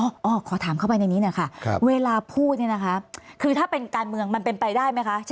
ขอถามเข้าไปในนี้หน่อยค่ะเวลาพูดเนี่ยนะคะคือถ้าเป็นการเมืองมันเป็นไปได้ไหมคะ